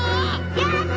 やった！